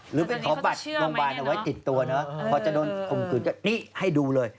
หรือเป็นของบัตรโรงพยาบาลออกไว้ติดตัวนะครับพอจะโดนคุมกลืนนี่ให้ดูเลย